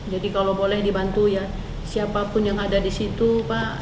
jadi kalau boleh dibantu ya siapapun yang ada di situ pak